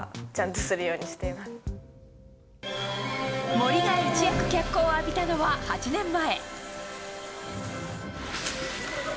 森が一躍脚光を浴びたのは８年前。